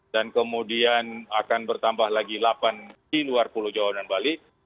dan kemudian akan bertambah lagi delapan di luar pulau jawa dan bali